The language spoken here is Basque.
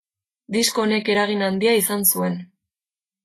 Disko honek eragin handia izan zuen.